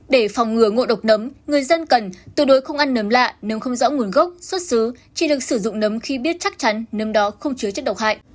để phòng ngừa ngộ độc nấm người dân cần tuyệt đối không ăn nấm lạ nếu không rõ nguồn gốc xuất xứ chỉ được sử dụng nấm khi biết chắc chắn nấm đó không chứa chất độc hại